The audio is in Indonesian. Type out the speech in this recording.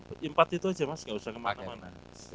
empat itu saja mas nggak usah kemana mana